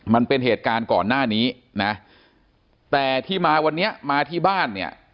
มันเป็นเหตุการณ์ก่อนหน้านี้นะแต่ที่มาวันนี้มาที่บ้านเนี่ย